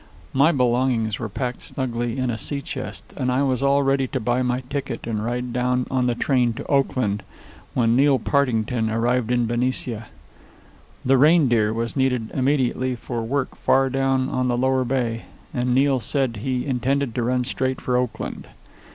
My belongings were packed snugly in a sea chest, and I was all ready to buy my ticket and ride down on the train to Oakland, when Neil Partington arrived in Benicia. The Reindeer was needed immediately for work far down on the Lower Bay, and Neil said he intended to run straight for Oakland.